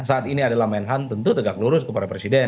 saat ini adalah menhan tentu tegak lurus kepada presiden